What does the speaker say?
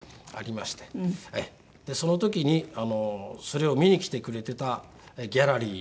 その時にそれを見に来てくれてたギャラリーの一人です。